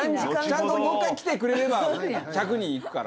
ちゃんともう一回来てくれれば１００人いくから。